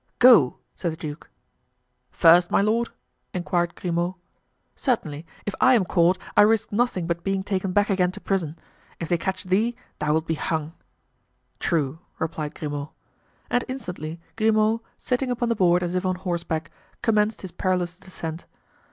"Go!" said the duke. "First, my lord?" inquired Grimaud. "Certainly. If I am caught, I risk nothing but being taken back again to prison. If they catch thee, thou wilt be hung." "True," replied Grimaud. And instantly, Grimaud, sitting upon the board as if on horseback, commenced his perilous descent.